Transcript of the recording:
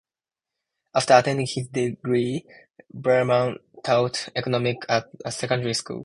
After attaining his degree, Veerman taught economics at a secondary school.